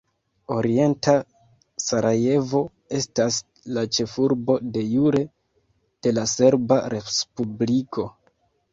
Orienta Sarajevo estas la ĉefurbo "de jure" de la Serba Respubliko.